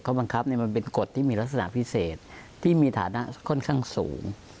บังคับมันเป็นกฎที่มีลักษณะพิเศษที่มีฐานะค่อนข้างสูง